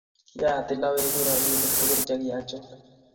kiatil oweku robinik tugul che ki achoor